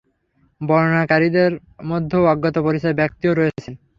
বর্ণনাকারীদের মধ্যে অজ্ঞাত পরিচয় ব্যক্তিও রয়েছেন।